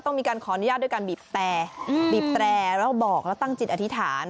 ต้องมีการขออนุญาตด้วยการบีบแตรบีบแตรแล้วบอกแล้วตั้งจิตอธิษฐาน